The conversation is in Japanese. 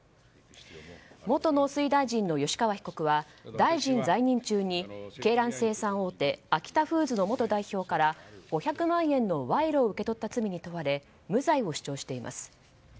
元農水大臣の吉川被告は大臣在任中に鶏卵生産大手アキタフーズの元代表から５００万円の賄賂を受け取った罪に問われ無罪を主張しています。